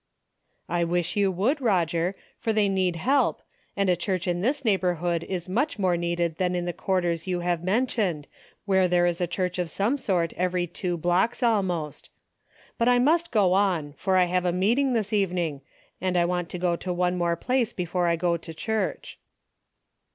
" I wish you would, Eoger, for they need help, and a church in this neighborhood is much more needed than in the quarters you have mentioned, where there is a church of some sort every two blocks almost. But I must go on, for I have a meeting this evening, and I want to go to one more place before I go to church."